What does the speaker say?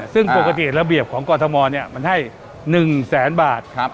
ซึ่งปกติระเบียบของกรทมมันให้๑แสนบาท